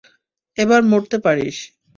এবার মরতে পারিস।